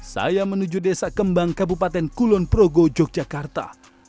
saya menuju desa kembang kabupaten kulonprogo yogyakarta